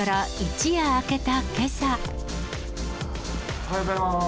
おはようございます。